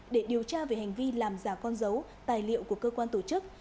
để điều tra về hành vi làm giả con dấu tài liệu của cơ quan tổ chức